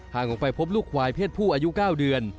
ออกไปพบลูกควายเพศผู้อายุ๙เดือน